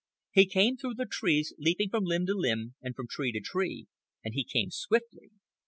He came through the trees, leaping from limb to limb and from tree to tree; and he came swiftly.